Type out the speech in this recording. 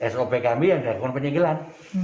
sop kami yang dilakukan penyegelan